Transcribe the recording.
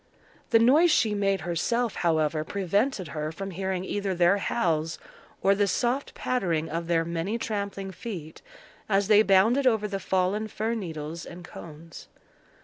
The noise she made herself, however, prevented her from hearing either their howls or the soft pattering of their many trampling feet as they bounded over the fallen fir needles and cones.